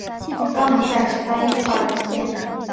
肛门盖是单一块鳞片。